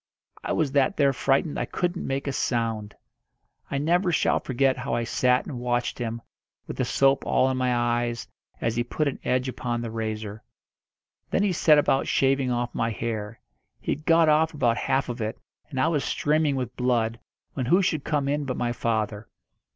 I was that there frightened I couldn't make a sound. I never shall forget how I sat and watched him, with the soap all in my eyes, as he put an edge upon the razor. Then he set about shaving off my hair. He had got off about half of it, and I was streaming with blood, when who should come in but my father.